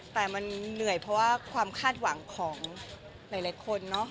แต่มันเหนื่อยเพราะว่าความคาดหวังของหลายคนเนอะ